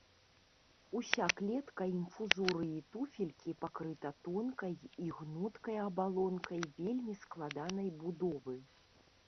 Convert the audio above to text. Уся клетка інфузорыі-туфелькі пакрыта тонкай і гнуткай абалонкай вельмі складанай будовы.